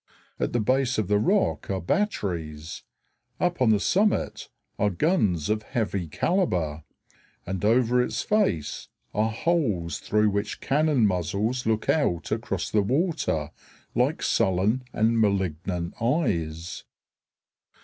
At the base of the rock are batteries; up on the summit are guns of heavy caliber, and over its face are holes through which cannon muzzles look out across the water like sullen and malignant eyes.